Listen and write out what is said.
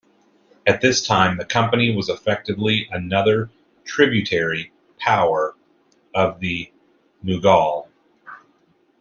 At this time the Company was effectively another tributary power of the Mughal.